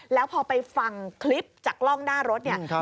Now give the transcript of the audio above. แล้วพอไปฟังคลิปจากกล้องหน้ารถเนี่ย